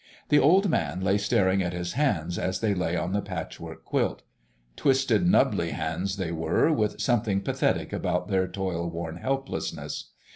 The old man lay staring at his hands as they lay on the patchwork quilt; twisted, nubbly hands they were, with something pathetic about their toilworn helplessness.